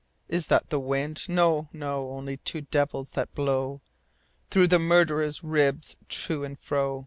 Is that the wind ? No, no ; Only two devils, that blow Through the murderer's ribs to and fro.